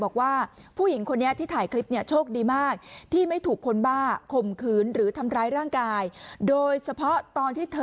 คุณผู้หญิงที่เป็นเจ้าของบ้าน